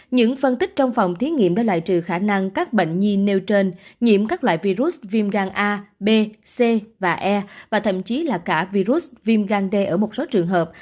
những phân tích trong phòng thí nghiệm đã loại trừ khả năng các bệnh nhi nêu trên nhiễm các loại virus viêm gan a b c và e và thậm chí là cả virus viêm gan d ở một số trường hợp